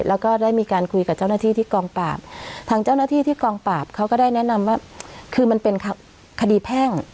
แล้วก็ได้มีการคุยกับเจ้าหน้าที่ที่กองปราบทางเจ้าหน้าที่ที่กองปราบเขาก็ได้แนะนำว่าคือมันเป็นคดีแพ่ง